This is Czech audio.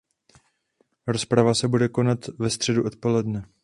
Rozprava se bude konat ve středu odpoledne.